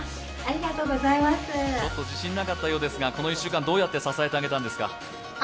ちょっと自信がなかったようですが、この１週間どうやって支えてあげたんですか？